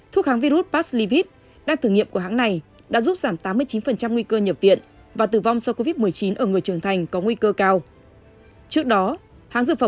thuốc kháng virus pfizer và pfizer của mỹ đã được tiêm chủng